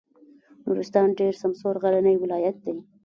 نورستان ډېر سمسور غرنی ولایت دی.